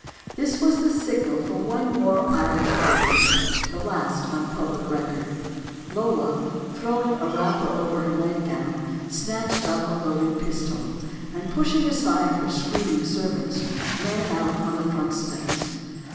This was the signal for one more Irish rage, the last on public record. Lola, throwing a wrapper over her nightgown, snatched up a loaded pistol, and, pushing aside her screaming servants, ran out on the front steps.